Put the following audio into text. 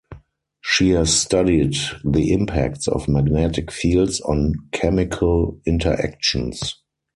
She has studied the impacts of magnetic fields on chemical interactions.